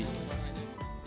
ya mau pengen berhenti